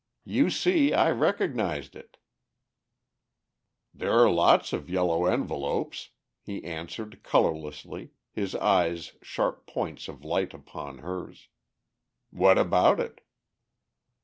"You see I recognized it!" "There are lots of yellow envelopes," he answered colourlessly, his eyes sharp points of light upon hers. "What about it?"